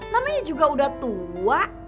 mamanya juga udah tua